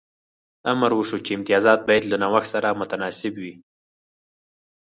امر وشو چې امتیازات باید له نوښت سره متناسب وي